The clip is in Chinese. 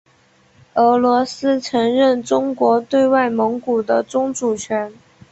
俄罗斯承认中国对外蒙古的宗主权。